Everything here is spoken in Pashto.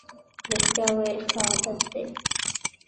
رښتیا ویل ښه عادت دی.